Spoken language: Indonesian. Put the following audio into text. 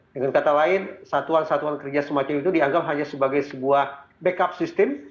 dengan kata lain satuan satuan kerja semacam itu dianggap hanya sebagai sebuah backup sistem